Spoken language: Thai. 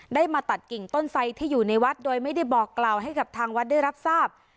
ได้มาตัดกิ่งต้นไสที่อยู่ในวัดโดยไม่ได้บอกกล่าวให้กับทางวัดได้รับทราบ